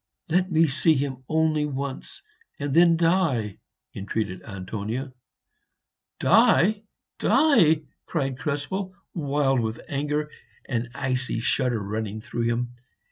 "Let me see him only once, and then die!" entreated Antonia. "Die! die!" cried Krespel, wild with anger, an icy shudder running through him.